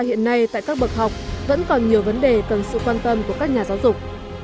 hiện nay tại các bậc học vẫn còn nhiều vấn đề cần sự quan tâm của các nhà giáo dục